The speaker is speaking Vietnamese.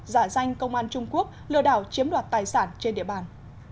giả danh công an trung quốc lừa đảo chiếm đoạt tài sản trên địa bàn